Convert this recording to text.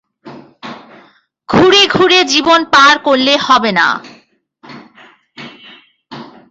ঘুরে ঘুরে জীবন পার করলে হবে না।